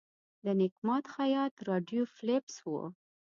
د نیک ماد خیاط راډیو فلپس وه.